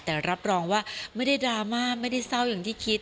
แต่รับรองว่าไม่ได้ดราม่าไม่ได้เศร้าอย่างที่คิด